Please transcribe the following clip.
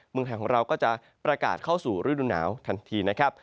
เมืองไทยของเราก็จะประกาศเข้าสู่ฤดูหนาวทันทีนะครับ